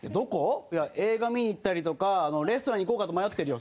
映画見に行ったりとかレストラン行こうかと迷ってるよ。